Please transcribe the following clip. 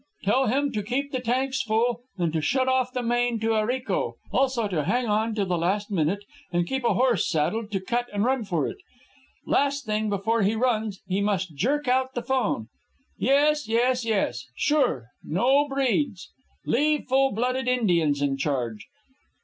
... Tell him to keep the tanks full, and to shut off the main to Arico. Also, to hang on till the last minute, and keep a horse saddled to cut and run for it. Last thing before he runs, he must jerk out the 'phone.... Yes, yes, yes. Sure. No breeds. Leave full blooded Indians in charge.